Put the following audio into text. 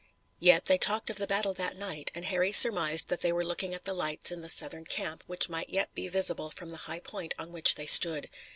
Yet they talked of the battle that night, and Harry surmised that they were looking at the lights in the Southern camp which might yet be visible from the high point on which they stood.